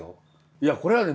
いやこれはね